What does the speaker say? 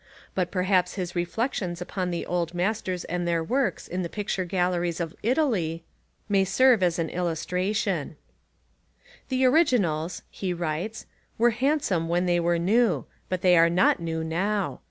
But perhaps his reflections upon the old masters and their works in the picture galleries of Italy may serve as an illustration: "The originals," he writes, "were handsome when they were new, but they are not new now.